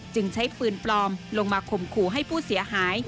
ใช้ปืนปลอมลงมาข่มขู่ให้ผู้เสียหาย